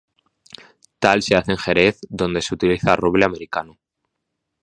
Tal se hace en Jerez, donde se utiliza roble americano.